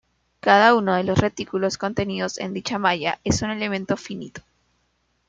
Cada uno de los retículos contenidos en dicha malla es un "elemento finito".